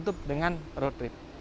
tutup dengan road trip